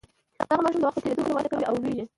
دغه ماشوم د وخت په تیریدو سره وده کوي او لوییږي.